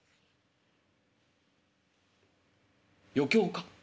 「余興か？」。